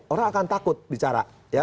orang akan takut bicara